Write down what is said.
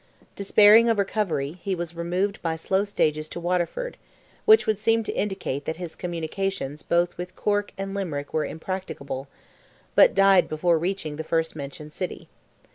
Despairing of recovery, he was removed by slow stages to Waterford—which would seem to indicate that his communications both with Cork and Limerick were impracticable—but died before reaching the first mentioned city.